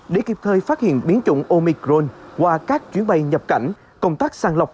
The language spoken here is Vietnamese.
để kịp thời phát hiện biến chủng omicrone qua các chuyến bay nhập cảnh công tác sàng lọc